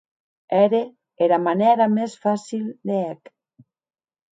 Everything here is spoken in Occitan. Ère era manèra mès facil de hè'c.